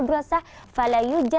keren ya jawabannya